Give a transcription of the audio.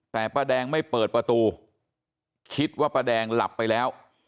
แต่ป้าแดงไม่เปิดประตูคิดว่าป้าแดงหลับไปแล้ว